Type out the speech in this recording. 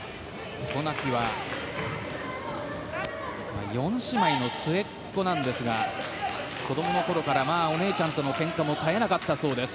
渡名喜は４姉妹の末っ子ですが子供のころからお姉ちゃんとのけんかも絶えなかったそうです。